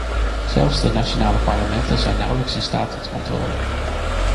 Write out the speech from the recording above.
Zelfs de nationale parlementen zijn nauwelijks in staat tot controle.